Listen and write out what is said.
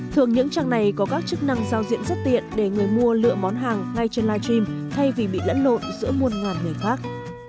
thường những trang này có các chức năng giao diện rất tiện để người mua lựa món hàng ngay trên live stream thay vì bị lẫn lộn giữa muôn ngàn người khác